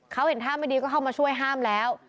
เขาเห็นท่าไม่ดีก็เข้ามาช่วยห้ามแล้ว